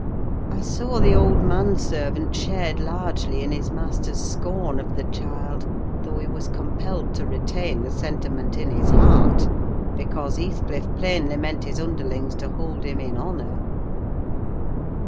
I saw the old man servant shared largely in his master's scorn of the child; though he was compelled to retain the sentiment in his heart, because Heathcliff plainly meant his underlings to hold him in honour.